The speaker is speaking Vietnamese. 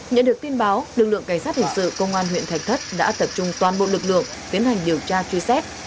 nhận được tin báo lực lượng cảnh sát hình sự công an huyện thạch thất đã tập trung toàn bộ lực lượng tiến hành điều tra truy xét